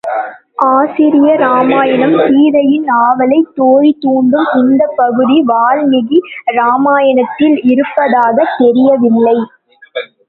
ஆசிரிய இராமாயணம் சீதையின் ஆவலைத் தோழி தூண்டும் இந்தப் பகுதி வால்மீகி இராமாயணத்தில் இருப்பதாகத் தெரியவில்லை.